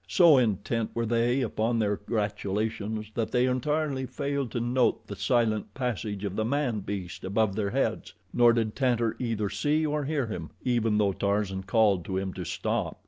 So intent were they upon their gratulations that they entirely failed to note the silent passage of the man beast above their heads, nor did Tantor, either, see or hear him, even though Tarzan called to him to stop.